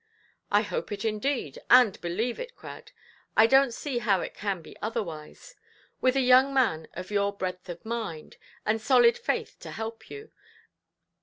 "I hope it indeed, and believe it, Crad; I donʼt see how it can be otherwise, with a young man of your breadth of mind, and solid faith to help you.